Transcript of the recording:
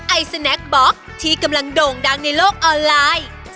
ไอสแนคบล็อกที่กำลังโด่งดังในโลกออนไลน์